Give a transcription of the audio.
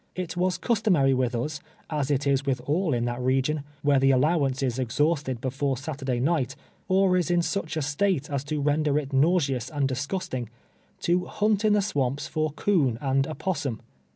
It was customary with us, as it is with all in that region, where the allowance is exhausted before Saturday nigrht, or is in such a state as to render it nauseous and disgusting, to hunt in the swamps for coon and opossum.